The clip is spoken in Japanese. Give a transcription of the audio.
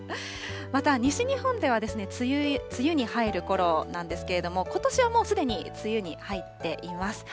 また西日本では梅雨に入るころなんですけれども、ことしはもうすでに梅雨に入っています。